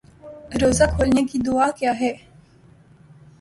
روزہ کھولنے کی دعا کیا ہے